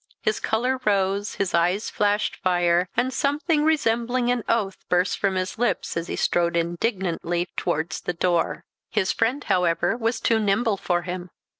His colour rose, his eyes flashed fire, and something resembling an oath burst from his lips as he strode indignantly towards the door. His friend, however, was too nimble for him.